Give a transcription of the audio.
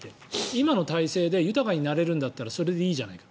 今の体制で豊かになれるんだったらそれでいいじゃないか。